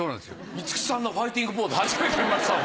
五木さんのファイティングポーズ初めて見ましたもん。